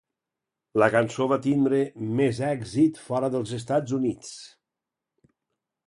La cançó va tindre més èxit fora dels Estats Units.